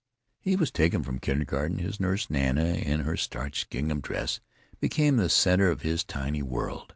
He was taken from the kindergarten. His nurse, Nana, in her starched gingham dress, became the centre of his tiny world.